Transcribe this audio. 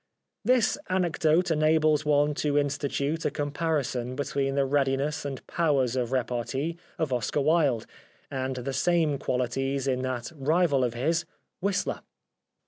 This anecdote enables one to institute a com parison between the readiness and powers of repartee of Oscar Wilde and the same qualities in that rival of his, Whistler.